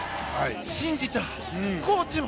信じた、コーチも。